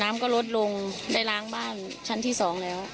น้ำก็ลดลงได้ล้างบ้านชั้นที่๒แล้ว